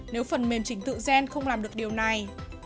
nếu phần mềm trình tự gen không làm được điều này